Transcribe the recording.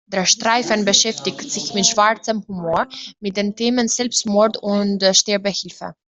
Der Streifen beschäftigt sich mit schwarzem Humor mit den Themen Selbstmord und Sterbehilfe.